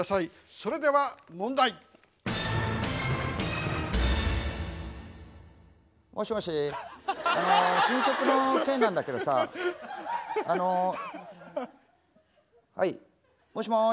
それでは問題！もしもし新曲の件なんだけどさあのはいもしもし。